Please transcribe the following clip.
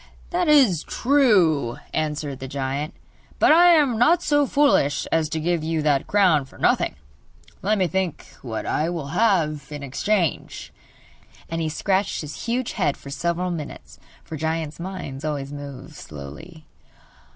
'That is true,' answered the giant; 'but I am not so foolish as to give you that crown for nothing. Let me think what I will have in exchange!' And he scratched his huge head for several minutes, for giants' minds always move slowly.